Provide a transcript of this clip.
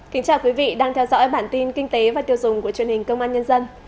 kính chào quý vị đang theo dõi bản tin kinh tế và tiêu dùng của truyền hình công an nhân dân